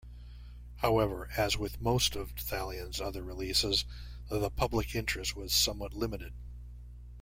However, as with most of Thalion's other releases, the public interest was somewhat limited.